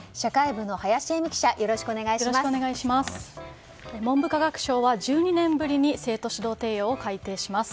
文部科学省は１２年ぶりに「生徒指導提要」を改訂します。